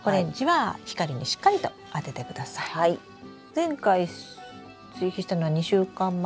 前回追肥したのは２週間前？